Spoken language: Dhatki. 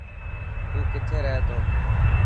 تو ڪٿي رهي ٿي.